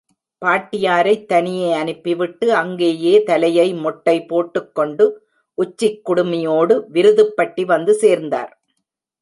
பாட்டியாரைத் தனியே அனுப்பிவிட்டு, அங்கேயே தலையை மொட்டை போட்டுக் கொண்டு, உச்சிக் குடுமியோடு விருதுப்பட்டி வந்து சேர்ந்தார்.